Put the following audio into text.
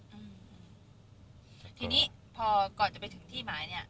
อืมทีนี้พอก่อนจะไปถึงที่หมายเนี้ย